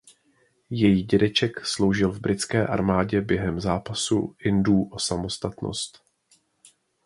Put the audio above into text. Její dědeček sloužil v Britské armádě během zápasu Indů o samostatnost.